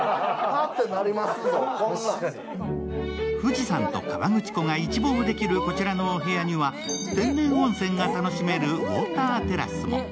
富士山と河口湖が一望できるこちらのお部屋には天然温泉が楽しめるウオーターテラスも。